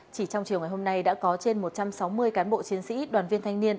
chỉ trong chiều ngày hôm nay đã có trên một trăm sáu mươi cán bộ chiến sĩ đoàn viên thanh niên